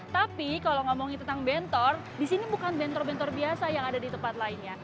tapi kalau ngomongin tentang bentor di sini bukan bentor bentor biasa yang ada di tempat lainnya